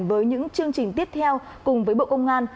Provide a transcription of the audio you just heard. với những chương trình tiếp theo cùng với bộ công an